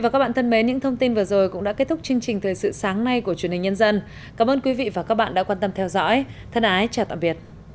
cảm ơn các bạn đã theo dõi và hẹn gặp lại